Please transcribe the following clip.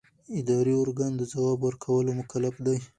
اداري ارګان د ځواب ورکولو مکلف دی.